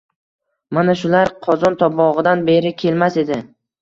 «Mana shular... qozon-tobog‘idan beri kelmas edi